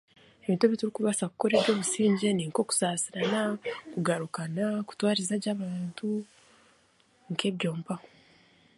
Ebintu ebiturabaasa kukora eby'obusingye n'okusaasirana okugarukana, kutwariza abantu nk'ebyo mpaho